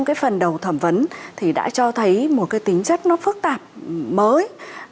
cái phần đầu thẩm vấn thì đã cho thấy một cái tính chất nó phức tạp mới